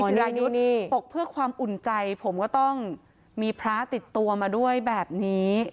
รายุทธ์ปกเพื่อความอุ่นใจผมก็ต้องมีพระติดตัวมาด้วยแบบนี้